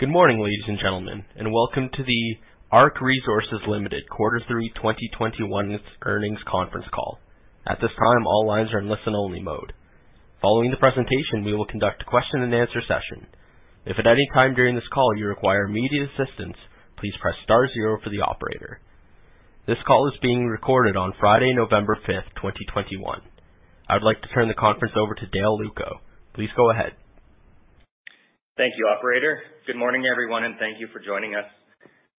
Good morning, ladies and gentlemen, and welcome to the ARC Resources Ltd. Q3 2021 Earnings Conference Call. At this time, all lines are in listen-only mode. Following the presentation, we will conduct a question-and-answer session. If at any time during this call you require immediate assistance, please press star zero for the operator. This call is being recorded on Friday, November 5, 2021. I would like to turn the conference over to Dale Lewko. Please go ahead. Thank you, operator. Good morning, everyone, and thank you for joining us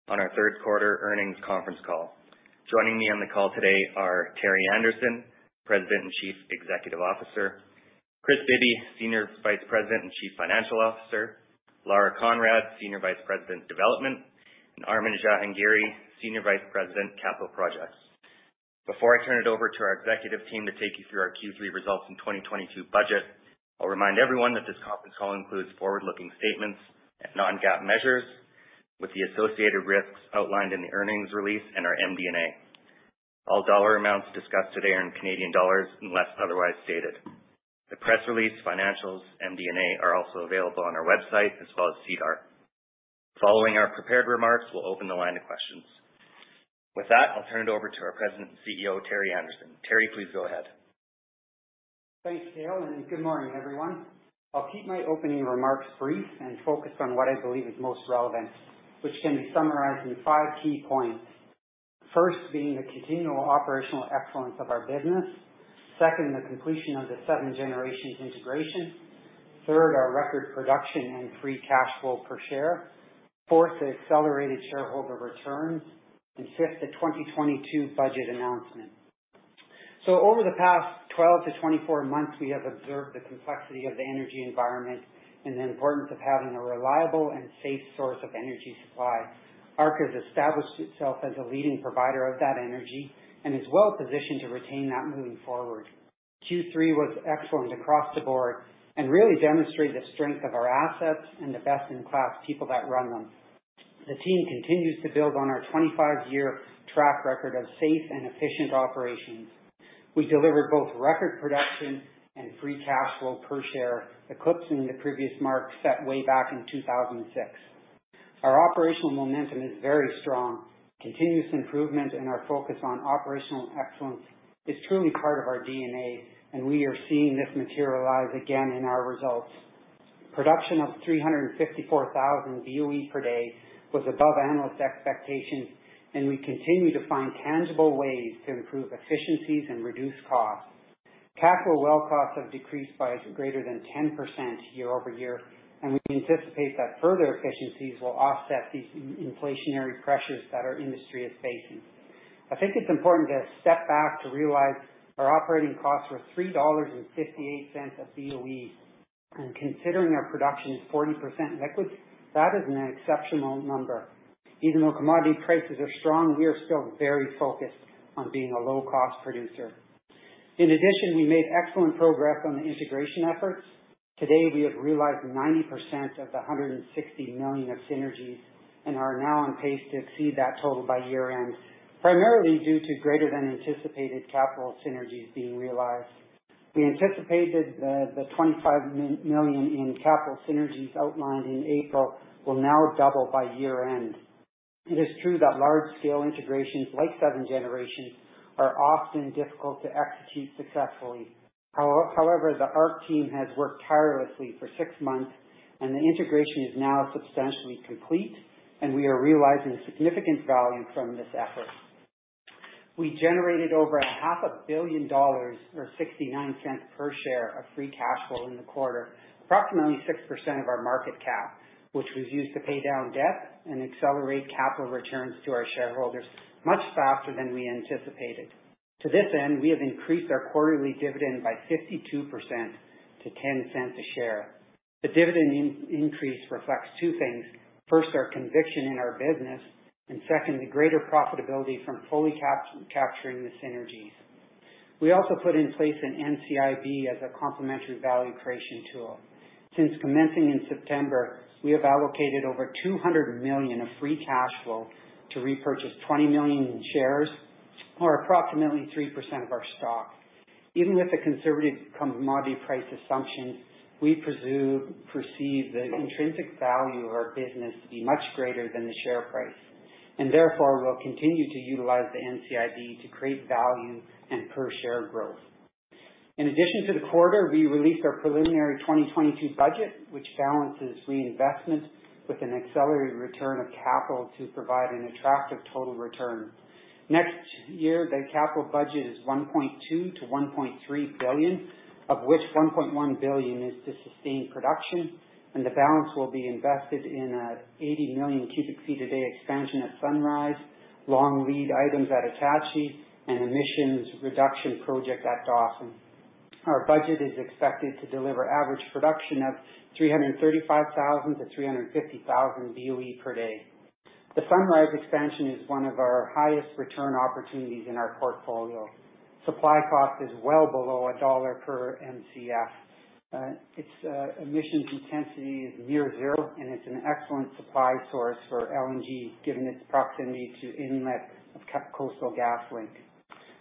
on our third quarter earnings conference call. Joining me on the call today are Terry Anderson, President and Chief Executive Officer, Kris Bibby, Senior Vice President and Chief Financial Officer, Lara Conrad, Senior Vice President, Development, and Armin Jahangiri, Senior Vice President, Capital Projects. Before I turn it over to our executive team to take you through our Q3 results in 2022 budget, I'll remind everyone that this conference call includes forward-looking statements and non-GAAP measures with the associated risks outlined in the earnings release and our MD&A. All dollar amounts discussed today are in Canadian dollars unless otherwise stated. The press release, financials, MD&A are also available on our website as well as SEDAR. Following our prepared remarks, we'll open the line to questions. With that, I'll turn it over to our President and CEO, Terry Anderson. Terry, please go ahead. Thanks, Dale, and good morning, everyone. I'll keep my opening remarks brief and focused on what I believe is most relevant, which can be summarized in five key points. First, being the continual operational excellence of our business. Second, the completion of the Seven Generations integration. Third, our record production and free cash flow per share. Fourth, the accelerated shareholder returns. Fifth, the 2022 budget announcement. Over the past 12-24 months, we have observed the complexity of the energy environment and the importance of having a reliable and safe source of energy supply. ARC has established itself as a leading provider of that energy and is well positioned to retain that moving forward. Q3 was excellent across the board and really demonstrated the strength of our assets and the best-in-class people that run them. The team continues to build on our 25-year track record of safe and efficient operations. We delivered both record production and free cash flow per share, eclipsing the previous mark set way back in 2006. Our operational momentum is very strong. Continuous improvement in our focus on operational excellence is truly part of our DNA, and we are seeing this materialize again in our results. Production of 354,000 BOE per day was above analyst expectations, and we continue to find tangible ways to improve efficiencies and reduce costs. Capital well costs have decreased by greater than 10% year-over-year, and we anticipate that further efficiencies will offset these inflationary pressures that our industry is facing. I think it's important to step back to realize our operating costs were 3.58 dollars a BOE. Considering our production is 40% liquids, that is an exceptional number. Even though commodity prices are strong, we are still very focused on being a low-cost producer. In addition, we made excellent progress on the integration efforts. Today, we have realized 90% of the 160 million of synergies and are now on pace to exceed that total by year-end, primarily due to greater than anticipated capital synergies being realized. We anticipated the 25 million in capital synergies outlined in April will now double by year-end. It is true that large-scale integrations like Seven Generations are often difficult to execute successfully. However, the ARC team has worked tirelessly for six months and the integration is now substantially complete, and we are realizing significant value from this effort. We generated over half a billion dollars or 0.69 per share of free cash flow in the quarter, approximately 6% of our market cap, which was used to pay down debt and accelerate capital returns to our shareholders much faster than we anticipated. To this end, we have increased our quarterly dividend by 52% to 0.10 a share. The dividend increase reflects two things. First, our conviction in our business and second, the greater profitability from fully capturing the synergies. We also put in place an NCIB as a complementary value creation tool. Since commencing in September, we have allocated over 200 million of free cash flow to repurchase 20 million shares or approximately 3% of our stock. Even with the conservative commodity price assumptions, we perceive the intrinsic value of our business to be much greater than the share price, and therefore will continue to utilize the NCIB to create value and per share growth. In addition to the quarter, we released our preliminary 2022 budget, which balances reinvestment with an accelerated return of capital to provide an attractive total return. Next year, the capital budget is 1.2 billion-1.3 billion, of which 1.1 billion is to sustain production, and the balance will be invested in a 80 million cubic feet a day expansion at Sunrise, long lead items at Attachie, and emissions reduction project at Dawson. Our budget is expected to deliver average production of 335,000-350,000 BOE per day. The Sunrise expansion is one of our highest return opportunities in our portfolio. Supply cost is well below CAD 1 per Mcf. Its emissions intensity is near zero, and it's an excellent supply source for LNG given its proximity to inlet of Coastal GasLink.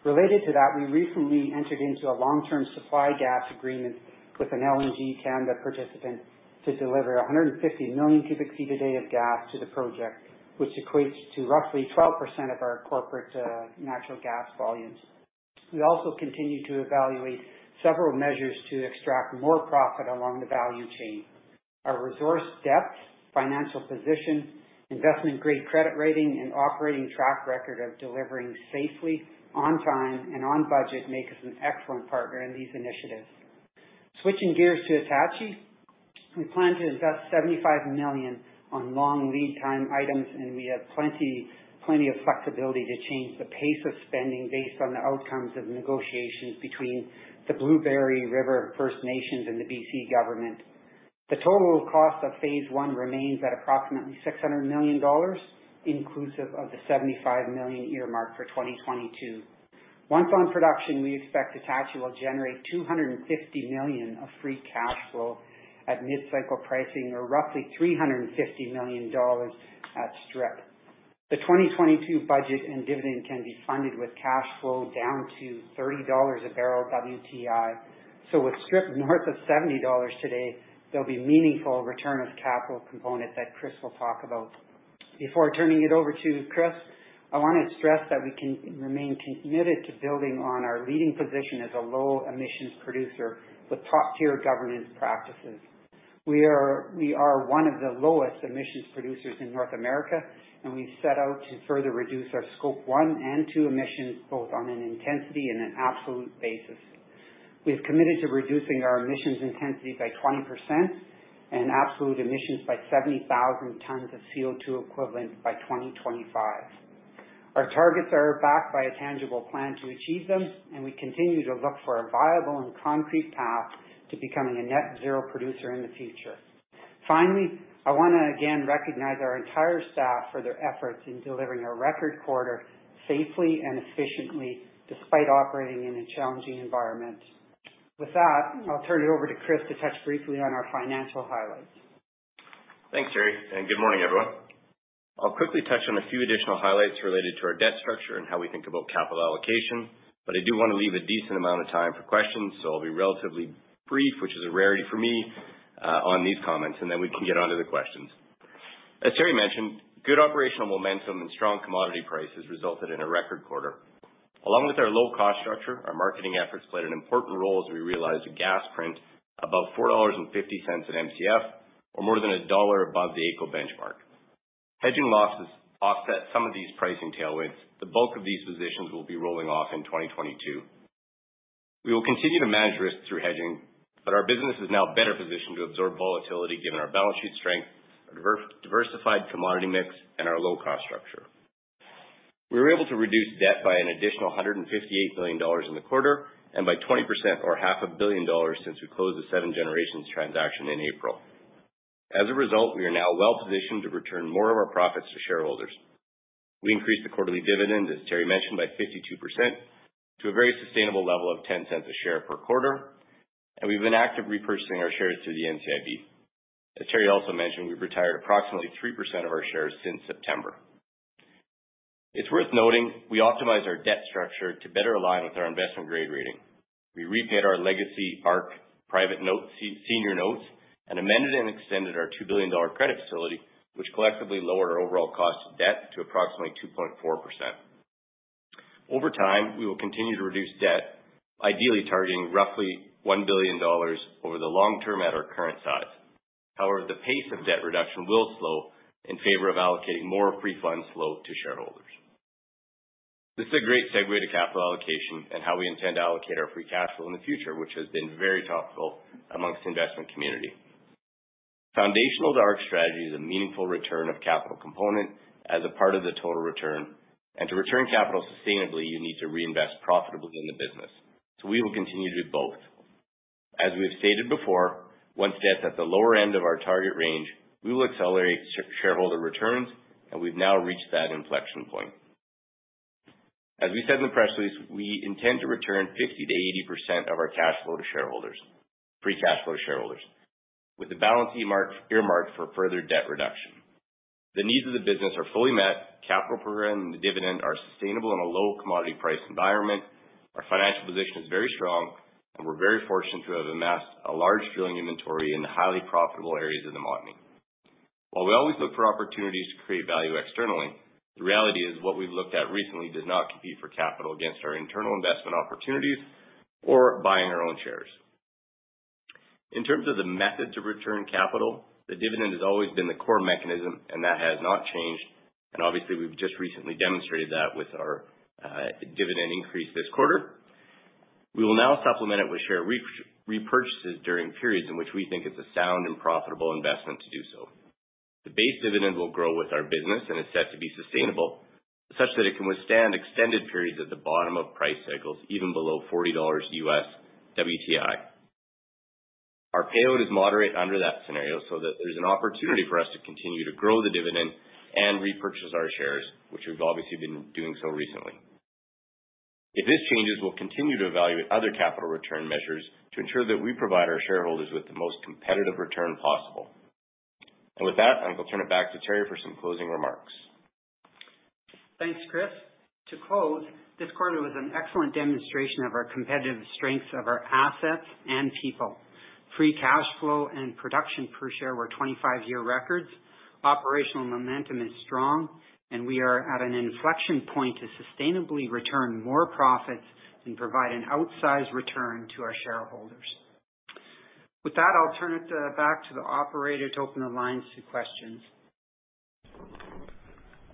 Related to that, we recently entered into a long-term supply gas agreement with an LNG Canada participant to deliver 150 million cubic feet a day of gas to the project, which equates to roughly 12% of our corporate natural gas volumes. We also continue to evaluate several measures to extract more profit along the value chain. Our resource depth, financial position, investment grade credit rating, and operating track record of delivering safely, on time, and on budget make us an excellent partner in these initiatives. Switching gears to Attachie. We plan to invest 75 million on long lead time items, and we have plenty of flexibility to change the pace of spending based on the outcomes of negotiations between the Blueberry River First Nations and the BC government. The total cost of phase one remains at approximately 600 million dollars, inclusive of the 75 million earmarked for 2022. Once on production, we expect Attachie will generate 250 million of free cash flow at mid-cycle pricing, or roughly 350 million dollars at strip. The 2022 budget and dividend can be funded with cash flow down to $30 a barrel WTI. With strip north of $70 today, there'll be meaningful return of capital component that Kris will talk about. Before turning it over to Kris, I wanna stress that we remain committed to building on our leading position as a low emissions producer with top-tier governance practices. We are one of the lowest emissions producers in North America, and we've set out to further reduce our scope one and two emissions, both on an intensity and an absolute basis. We have committed to reducing our emissions intensity by 20% and absolute emissions by 70,000 tons of CO2 equivalent by 2025. Our targets are backed by a tangible plan to achieve them, and we continue to look for a viable and concrete path to becoming a net zero producer in the future. Finally, I wanna again recognize our entire staff for their efforts in delivering a record quarter safely and efficiently, despite operating in a challenging environment. With that, I'll turn it over to Kris to touch briefly on our financial highlights. Thanks, Terry, and good morning, everyone. I'll quickly touch on a few additional highlights related to our debt structure and how we think about capital allocation. I do wanna leave a decent amount of time for questions, so I'll be relatively brief, which is a rarity for me on these comments, and then we can get onto the questions. As Terry mentioned, good operational momentum and strong commodity prices resulted in a record quarter. Along with our low cost structure, our marketing efforts played an important role as we realized a gas price above 4.50 dollars per Mcf, or more than CAD 1 above the AECO benchmark. Hedging losses offset some of these pricing tailwinds. The bulk of these positions will be rolling off in 2022. We will continue to manage risks through hedging, but our business is now better positioned to absorb volatility given our balance sheet strength, diversified commodity mix, and our low cost structure. We were able to reduce debt by an additional 158 million dollars in the quarter and by 20% or half a billion dollars since we closed the Seven Generations transaction in April. As a result, we are now well-positioned to return more of our profits to shareholders. We increased the quarterly dividend, as Terry mentioned, by 52% to a very sustainable level of 0.10 a share per quarter, and we've been active repurchasing our shares through the NCIB. As Terry also mentioned, we've retired approximately 3% of our shares since September. It's worth noting we optimize our debt structure to better align with our investment grade rating. We repaid our legacy ARC private notes, senior notes and amended and extended our 2 billion dollar credit facility, which collectively lowered our overall cost of debt to approximately 2.4%. Over time, we will continue to reduce debt, ideally targeting roughly 1 billion dollars over the long term at our current size. However, the pace of debt reduction will slow in favor of allocating more free cash flow to shareholders. This is a great segue to capital allocation and how we intend to allocate our free cash flow in the future, which has been very topical among the investment community. Foundational to our strategy is a meaningful return of capital component as a part of the total return. To return capital sustainably, you need to reinvest profitably in the business. We will continue to do both. As we've stated before, once debt's at the lower end of our target range, we will accelerate shareholder returns, and we've now reached that inflection point. As we said in the press release, we intend to return 50%-80% of our cash flow to shareholders, free cash flow to shareholders, with the balance earmarked for further debt reduction. The needs of the business are fully met. Capital program and the dividend are sustainable in a low commodity price environment. Our financial position is very strong, and we're very fortunate to have amassed a large drilling inventory in the highly profitable areas of the Montney. While we always look for opportunities to create value externally, the reality is what we've looked at recently does not compete for capital against our internal investment opportunities or buying our own shares. In terms of the method to return capital, the dividend has always been the core mechanism, and that has not changed. Obviously, we've just recently demonstrated that with our dividend increase this quarter. We will now supplement it with share repurchases during periods in which we think it's a sound and profitable investment to do so. The base dividend will grow with our business and is set to be sustainable, such that it can withstand extended periods at the bottom of price cycles, even below $40 U.S. WTI. Our payout is moderate under that scenario, so that there's an opportunity for us to continue to grow the dividend and repurchase our shares, which we've obviously been doing so recently. If this changes, we'll continue to evaluate other capital return measures to ensure that we provide our shareholders with the most competitive return possible. With that, I will turn it back to Terry for some closing remarks. Thanks, Kris. To close, this quarter was an excellent demonstration of our competitive strengths of our assets and people. Free cash flow and production per share were 25-year records. Operational momentum is strong and we are at an inflection point to sustainably return more profits and provide an outsized return to our shareholders. With that, I'll turn it back to the operator to open the lines to questions.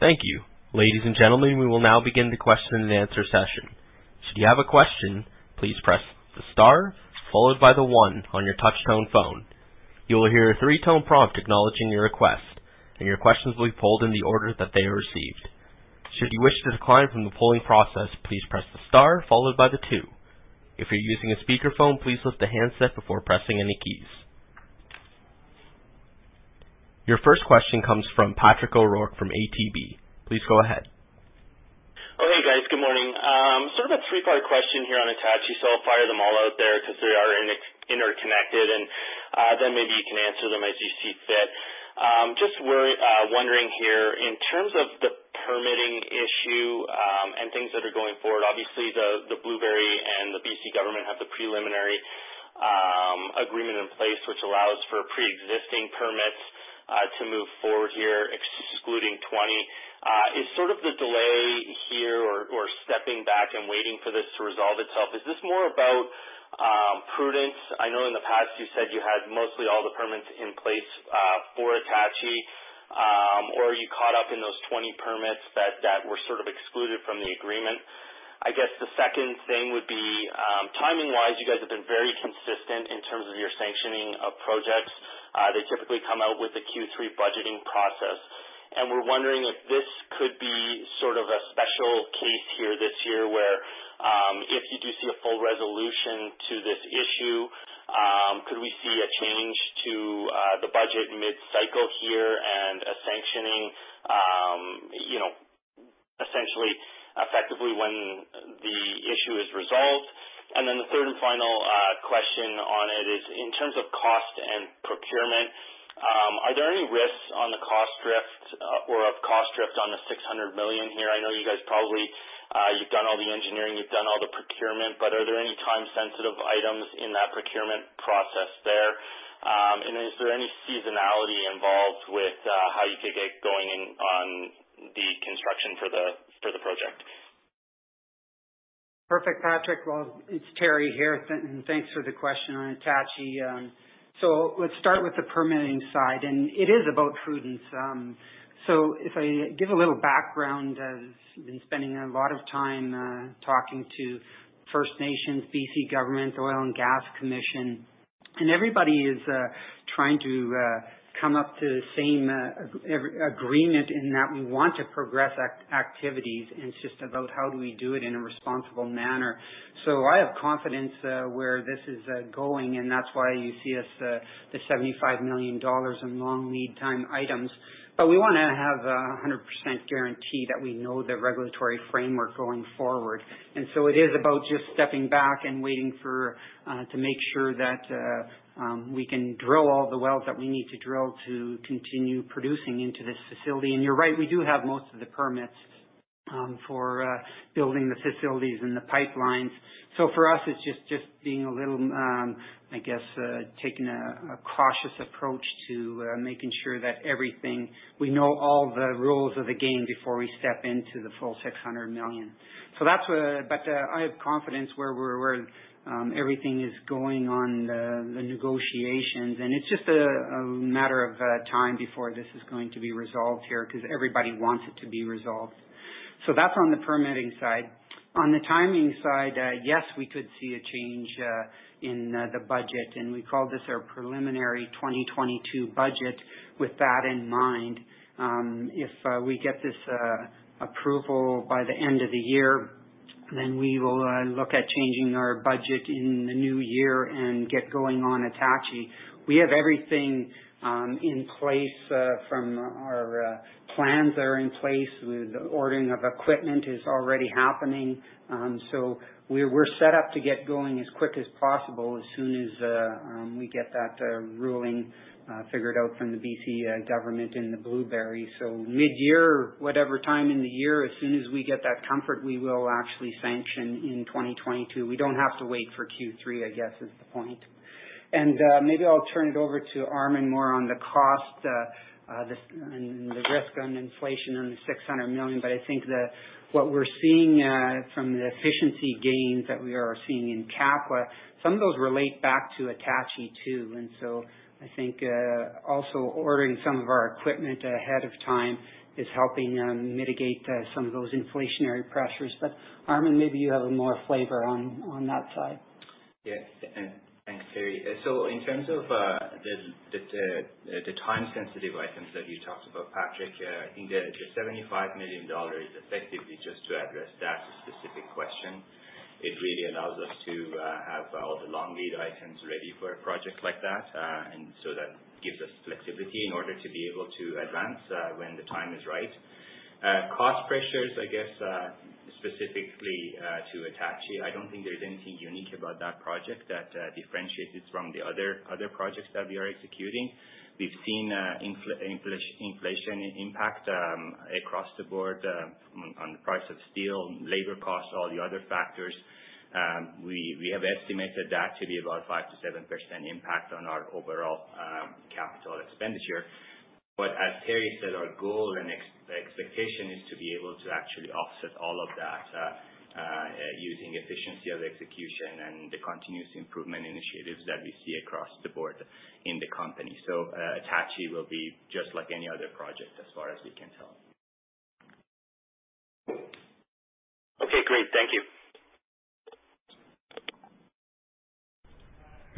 Thank you. Ladies and gentlemen, we will now begin the question and answer session. Should you have a question, please press the star followed by the one on your touchtone phone. You will hear a three-tone prompt acknowledging your request, and your questions will be pulled in the order that they are received. Should you wish to decline from the polling process, please press the star followed by the two. If you're using a speakerphone, please lift the handset before pressing any keys. Your first question comes from Patrick O'Rourke from ATB. Please go ahead. Oh, hey, guys. Good morning. Sort of a three-part question here on Attachie, so I'll fire them all out there 'cause they are interconnected and, then maybe you can answer them as you see fit. Just wondering here, in terms of the permitting issue, and things that are going forward, obviously the Blueberry River First Nations and the BC government have the preliminary agreement in place, which allows for preexisting permits to move forward here, excluding 20. Is sort of the delay here or stepping back and waiting for this to resolve itself, is this more about prudence? I know in the past you said you had mostly all the permits in place for Attachie, or are you caught up in those 20 permits that were sort of excluded from the agreement? I guess the second thing would be, timing-wise, you guys have been very consistent in terms of your sanctioning of projects. They typically come out with the Q3 budgeting process, and we're wondering if this could be sort of a special case here this year where, if you do see a full resolution to this issue, could we see a change to the budget mid-cycle here and a sanctioning, you know, essentially effectively when the issue is resolved. The third and final question on it is in terms of cost and procurement, are there any risks on the cost drift, or of cost drift on the 600 million here. I know you guys probably, you've done all the engineering, you've done all the procurement, but are there any time-sensitive items in that procurement process there. Is there any seasonality involved with how you could get going in on the construction for the project? Perfect, Patrick. Well, it's Terry here. Thanks for the question on Attachie. Let's start with the permitting side, and it is about prudence. If I give a little background, as we've been spending a lot of time talking to First Nations, B.C. government, B.C. Oil and Gas Commission, and everybody is trying to come to the same agreement in that we want to progress activities. It's just about how do we do it in a responsible manner. I have confidence where this is going, and that's why you see us the 75 million dollars in long lead time items. We wanna have a 100% guarantee that we know the regulatory framework going forward. It is about just stepping back and waiting to make sure that we can drill all the wells that we need to drill to continue producing into this facility. You're right, we do have most of the permits for building the facilities and the pipelines. For us, it's just being a little, I guess, taking a cautious approach to making sure that everything, we know all the rules of the game before we step into the full 600 million. That's, but I have confidence where we're, where everything is going on the negotiations, and it's just a matter of time before this is going to be resolved here because everybody wants it to be resolved. That's on the permitting side. On the timing side, yes, we could see a change in the budget, and we call this our preliminary 2022 budget with that in mind. If we get this approval by the end of the year, then we will look at changing our budget in the new year and get going on Attachie. We have everything in place. Our plans are in place with ordering of equipment already happening. We're set up to get going as quick as possible as soon as we get that ruling figured out from the B.C. government in the Blueberry. Mid-year, whatever time in the year, as soon as we get that comfort, we will actually sanction in 2022. We don't have to wait for Q3, I guess, is the point. Maybe I'll turn it over to Armin more on the cost and the risk on inflation on the 600 million, but I think what we're seeing from the efficiency gains that we are seeing in CapEx, some of those relate back to Attachie too. I think also ordering some of our equipment ahead of time is helping mitigate some of those inflationary pressures. Armin, maybe you have more flavor on that side. Yes. Thanks, Terry. In terms of the time-sensitive items that you talked about, Patrick, I think the 75 million dollars is effectively just to address that specific question. It really allows us to have all the long lead items ready for a project like that. That gives us flexibility in order to be able to advance when the time is right. Cost pressures, I guess, specifically to Attachie, I don't think there's anything unique about that project that differentiates it from the other projects that we are executing. We've seen inflation impact across the board on the price of steel, labor costs, all the other factors. We have estimated that to be about 5%-7% impact on our overall capital expenditure. As Terry said, our goal and expectation is to be able to actually offset all of that using efficiency of execution and the continuous improvement initiatives that we see across the board in the company. Attachie will be just like any other project as far as we can tell. Okay, great. Thank you.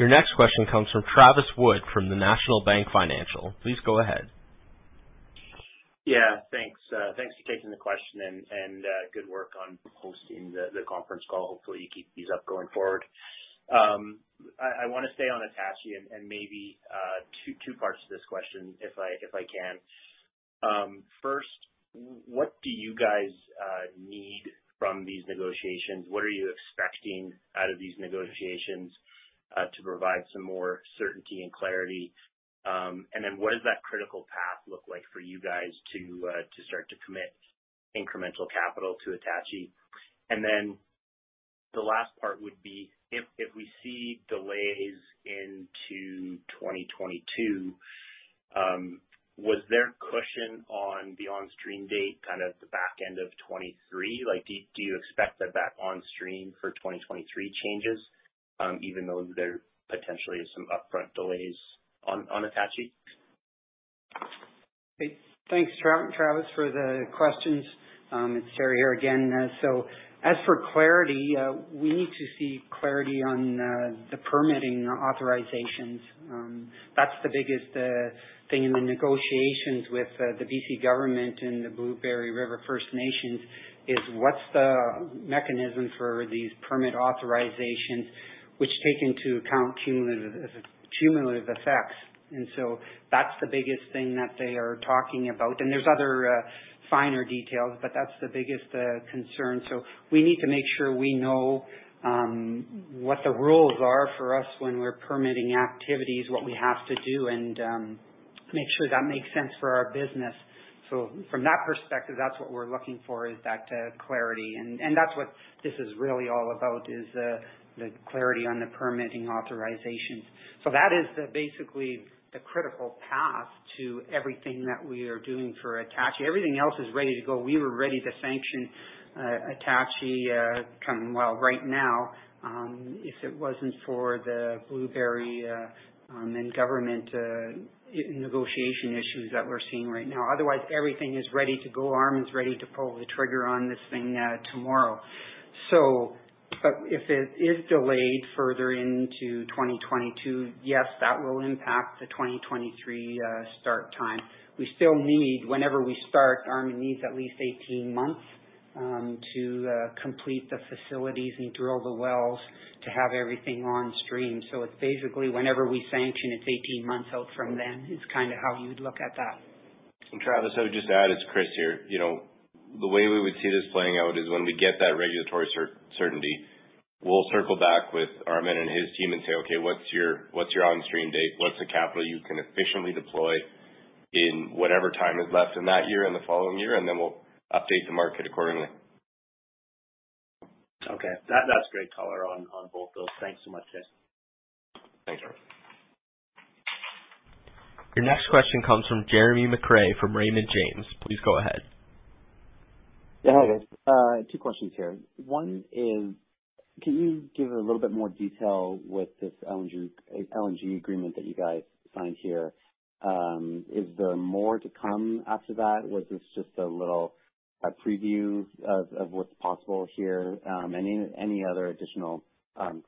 Your next question comes from Travis Wood from National Bank Financial. Please go ahead. Yeah, thanks. Thanks for taking the question and good work on hosting the conference call. Hopefully you keep these up going forward. I wanna stay on Attachie and maybe two parts to this question if I can. First, what do you guys need from these negotiations? What are you expecting out of these negotiations to provide some more certainty and clarity? And then what does that critical path look like for you guys to start to commit incremental capital to Attachie? And then the last part would be if we see delays into 2022, was there cushion on the on-stream date, kind of the back end of 2023? Like, do you expect that on-stream for 2023 changes, even though there potentially is some upfront delays on Attachie? Hey, thanks, Travis, for the questions. It's Terry here again. As for clarity, we need to see clarity on the permitting authorizations. That's the biggest thing in the negotiations with the BC government and the Blueberry River First Nations is what's the mechanism for these permit authorizations which take into account cumulative effects. That's the biggest thing that they are talking about. There's other finer details, but that's the biggest concern. We need to make sure we know what the rules are for us when we're permitting activities, what we have to do, and make sure that makes sense for our business. From that perspective, that's what we're looking for is that clarity. That's what this is really all about is the clarity on the permitting authorizations. That is basically the critical path to everything that we are doing for Attachie. Everything else is ready to go. We were ready to sanction Attachie. Well, right now, if it wasn't for the Blueberry and government negotiation issues that we're seeing right now. Otherwise, everything is ready to go. Armin's ready to pull the trigger on this thing tomorrow. But if it is delayed further into 2022, yes, that will impact the 2023 start time. Whenever we start, Armin needs at least 18 months to complete the facilities and drill the wells to have everything on stream. It's basically whenever we sanction, it's 18 months out from then is kind of how you would look at that. Travis, I would just add, it's Kris here. You know, the way we would see this playing out is when we get that regulatory certainty, we'll circle back with Armin and his team and say, "Okay, what's your on-stream date? What's the capital you can efficiently deploy in whatever time is left in that year and the following year?" Then we'll update the market accordingly. Okay. That's great color on both those. Thanks so much, Chris. Thanks. Your next question comes from Jeremy McCrea from Raymond James. Please go ahead. Yeah. Hi, guys. Two questions here. One is, can you give a little bit more detail with this LNG agreement that you guys signed here? Is there more to come after that? Was this just a little preview of what's possible here? Any other additional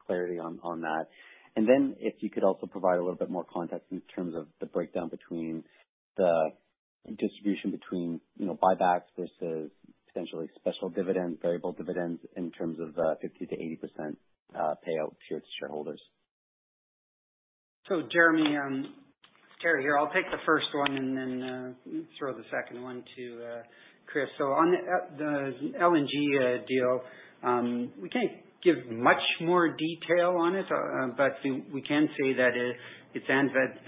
clarity on that? If you could also provide a little bit more context in terms of the breakdown between the distribution between, you know, buybacks versus potentially special dividend, variable dividends in terms of the 50%-80% payout to your shareholders. Jeremy, Terry here. I'll take the first one and then throw the second one to Kris. On the LNG deal, we can't give much more detail on it, but we can say that it's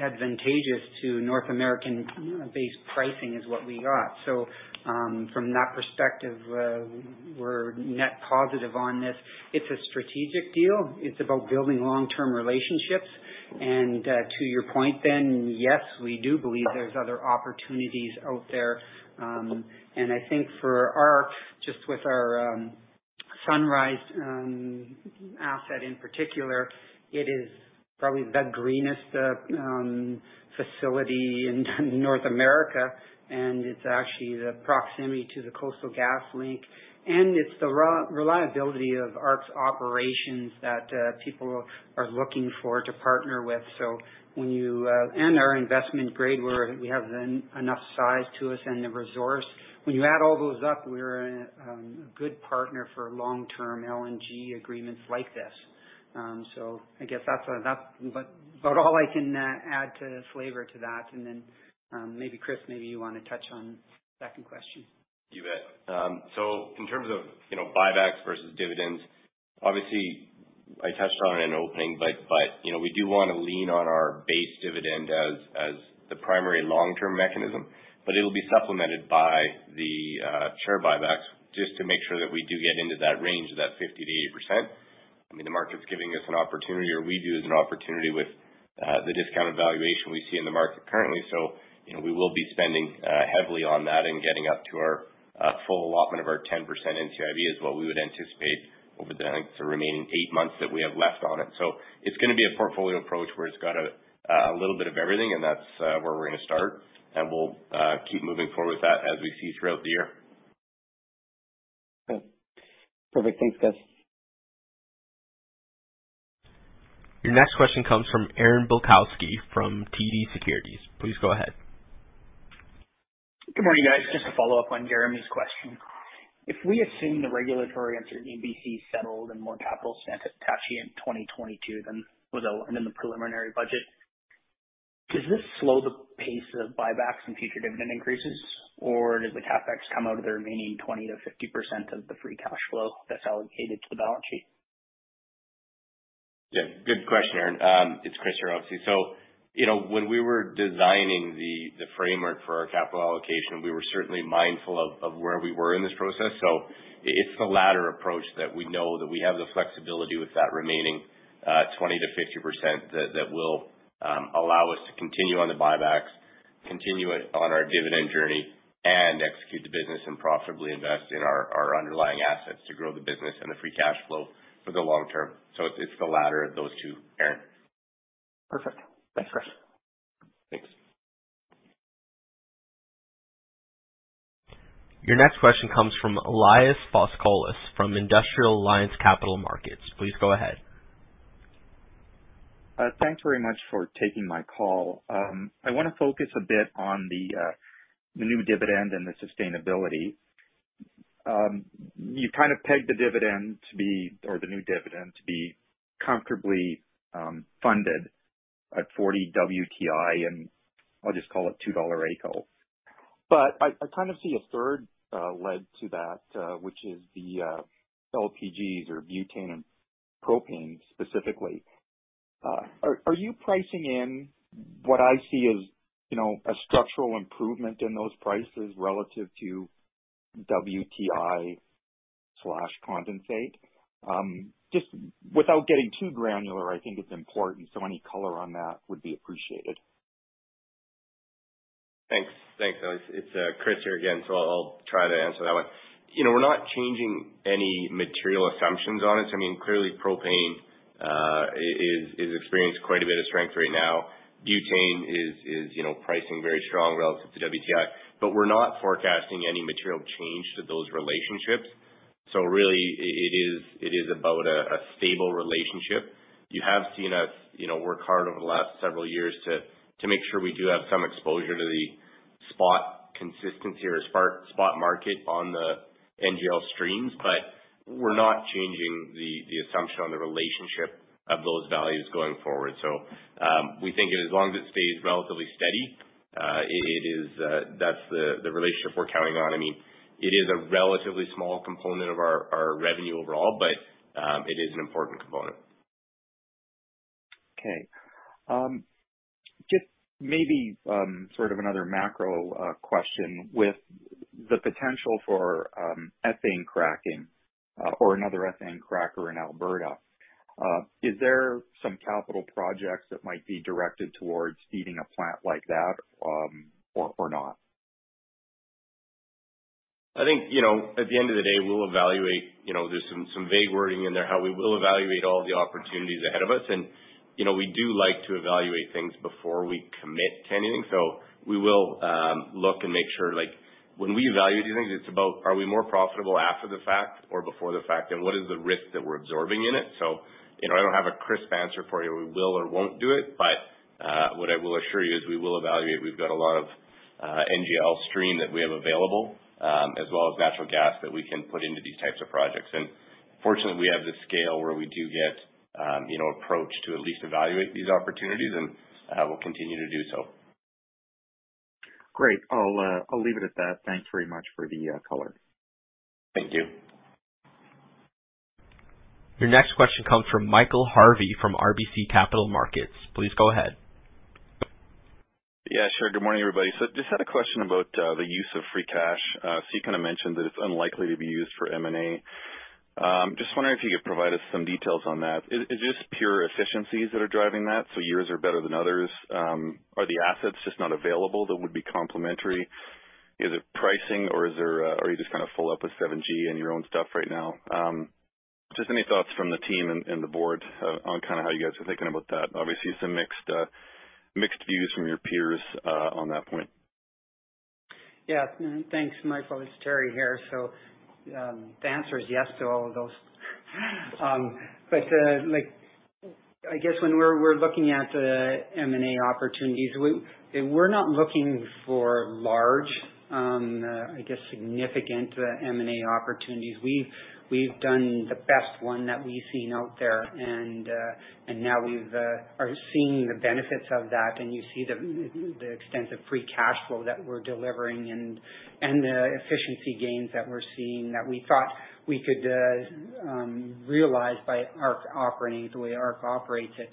advantageous to North American-based pricing is what we got. From that perspective, we're net positive on this. It's a strategic deal. It's about building long-term relationships. To your point then, yes, we do believe there's other opportunities out there. I think, just with our Sunrise asset in particular, it is probably the greenest facility in North America, and it's actually the proximity to the Coastal GasLink, and it's the reliability of ARC's operations that people are looking for to partner with. When you Our investment grade, we have enough size for us and the resource. When you add all those up, we're a good partner for long-term LNG agreements like this. I guess that's about all I can add some flavor to that. Maybe Kris, you wanna touch on the second question. You bet. In terms of, you know, buybacks versus dividends, obviously I touched on it in opening, but you know, we do wanna lean on our base dividend as the primary long-term mechanism, but it'll be supplemented by the share buybacks just to make sure that we do get into that range of that 50%-80%. I mean, the market's giving us an opportunity, or we view as an opportunity with the discounted valuation we see in the market currently. You know, we will be spending heavily on that and getting up to our full allotment of our 10% NCIB, is what we would anticipate over the, I think, the remaining 8 months that we have left on it. It's gonna be a portfolio approach where it's got a little bit of everything, and that's where we're gonna start, and we'll keep moving forward with that as we see throughout the year. Okay. Perfect. Thanks, guys. Your next question comes from Aaron Bilkoski from TD Securities. Please go ahead. Good morning, guys. Just to follow up on Jeremy's question. If we assume the regulatory answer in BC is settled and more capital spent at Attachie in 2022 than was outlined in the preliminary budget, does this slow the pace of buybacks and future dividend increases, or does the CapEx come out of the remaining 20%-50% of the free cash flow that's allocated to the balance sheet? Yeah, good question, Aaron. It's Kris here, obviously. You know, when we were designing the framework for our capital allocation, we were certainly mindful of where we were in this process. It's the latter approach that we know that we have the flexibility with that remaining 20%-50% that will allow us to continue on the buybacks, continue it on our dividend journey and execute the business and profitably invest in our underlying assets to grow the business and the free cash flow for the long term. It's the latter of those two, Aaron. Perfect. Thanks, Kris. Thanks. Your next question comes from Elias Foscolos from iA Capital Markets. Please go ahead. Thanks very much for taking my call. I wanna focus a bit on the new dividend and the sustainability. You kind of pegged the dividend to be, or the new dividend to be comparably funded at $40 WTI, and I'll just call it $2 AECO. But I kind of see a third leg to that, which is the LPGs or butane and propane specifically. Are you pricing in what I see as, you know, a structural improvement in those prices relative to WTI/condensate? Just without getting too granular, I think it's important. Any color on that would be appreciated. Thanks. Thanks, Elias. It's Kris here again, so I'll try to answer that one. You know, we're not changing any material assumptions on it. I mean, clearly propane is experienced quite a bit of strength right now. Butane is pricing very strong relative to WTI, but we're not forecasting any material change to those relationships. Really, it is about a stable relationship. You have seen us, you know, work hard over the last several years to make sure we do have some exposure to the spot market on the NGL streams, but we're not changing the assumption on the relationship of those values going forward. We think as long as it stays relatively steady, it is. That's the relationship we're counting on. I mean, it is a relatively small component of our revenue overall, but it is an important component. Okay. Just maybe, sort of another macro question with the potential for ethane cracking or another ethane cracker in Alberta. Is there some capital projects that might be directed towards feeding a plant like that, or not? I think, you know, at the end of the day, we'll evaluate, you know, there's some vague wording in there, how we will evaluate all the opportunities ahead of us. You know, we do like to evaluate things before we commit to anything. We will look and make sure, like when we evaluate these things, it's about are we more profitable after the fact or before the fact and what is the risk that we're absorbing in it. You know, I don't have a crisp answer for you, we will or won't do it, but what I will assure you is we will evaluate. We've got a lot of NGL stream that we have available, as well as natural gas that we can put into these types of projects. Fortunately, we have the scale where we do get, you know, approach to at least evaluate these opportunities, and we'll continue to do so. Great. I'll leave it at that. Thanks very much for the color. Thank you. Your next question comes from Michael Harvey from RBC Capital Markets. Please go ahead. Yeah, sure. Good morning, everybody. Just had a question about the use of free cash. You kinda mentioned that it's unlikely to be used for M&A. Just wondering if you could provide us some details on that. Is this pure efficiencies that are driving that, so yours are better than others? Are the assets just not available that would be complementary? Is it pricing or are you just kind of full up with Seven Generations and your own stuff right now? Just any thoughts from the team and the board on kinda how you guys are thinking about that. Obviously some mixed views from your peers on that point. Yeah. Thanks, Michael. It's Terry here. The answer is yes to all of those. Like, I guess when we're looking at the M&A opportunities, we're not looking for large, I guess significant, M&A opportunities. We've done the best one that we've seen out there and now we are seeing the benefits of that. You see the extensive free cash flow that we're delivering and the efficiency gains that we're seeing that we thought we could realize by ARC operating the way ARC operates it.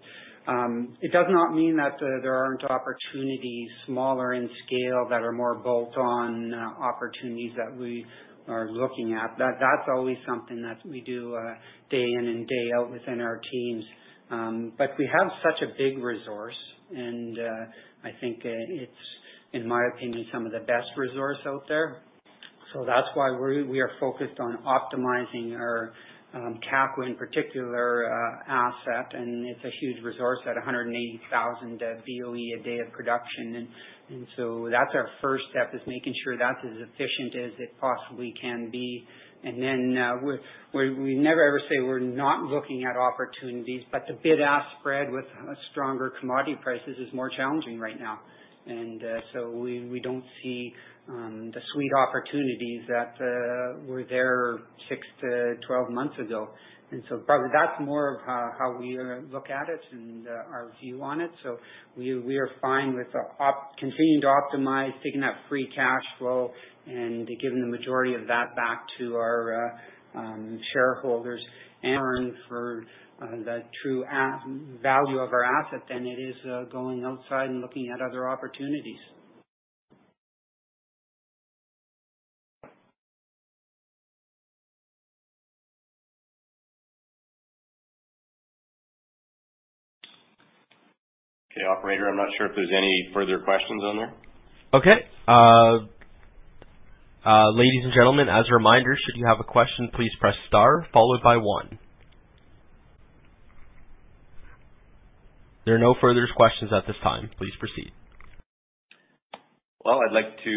It does not mean that there aren't opportunities smaller in scale that are more bolt on opportunities that we are looking at. That's always something that we do day in and day out within our teams. We have such a big resource and, I think, it's in my opinion, some of the best resource out there. That's why we are focused on optimizing our Kakwa in particular asset. It's a huge resource at 180,000 BOE a day of production. That's our first step is making sure that's as efficient as it possibly can be. We never ever say we're not looking at opportunities, but the bid ask spread with a stronger commodity prices is more challenging right now. We don't see the sweet opportunities that were there 6-12 months ago. Probably that's more of how we look at it and our view on it. We are fine with continuing to optimize, taking that free cash flow and giving the majority of that back to our shareholders in return for the true value of our asset rather than going outside and looking at other opportunities. Okay. Operator, I'm not sure if there's any further questions on there. Okay. Ladies and gentlemen, as a reminder, should you have a question, please press star followed by one. There are no further questions at this time. Please proceed. Well, I'd like to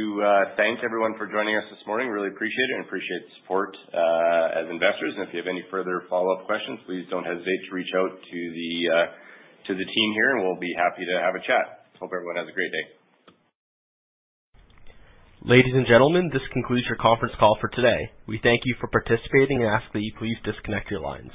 thank everyone for joining us this morning. Really appreciate it and appreciate the support as investors. If you have any further follow-up questions, please don't hesitate to reach out to the team here and we'll be happy to have a chat. Hope everyone has a great day. Ladies and gentlemen, this concludes your conference call for today. We thank you for participating and ask that you please disconnect your lines.